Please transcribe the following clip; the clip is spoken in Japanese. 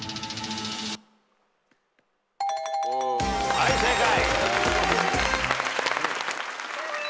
はい正解。